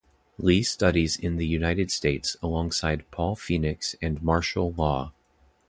Lee studies in the United States alongside Paul Phoenix and Marshall Law.